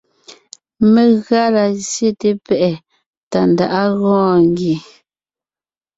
Megʉa la zsyete pɛ́ʼɛ Tàndáʼa gɔɔn ngie.